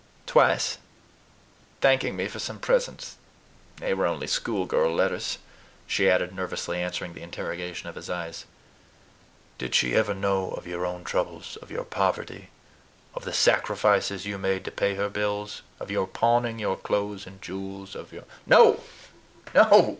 "Twice, thanking me for some presents. They were only schoolgirl letters," she added, nervously answering the interrogation of his eyes. "Did she ever know of your own troubles? of your poverty, of the sacrifices you made to pay her bills, of your pawning your clothes and jewels, of your " "No, no!"